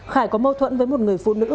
khải có mâu thuẫn với một người phụ nữ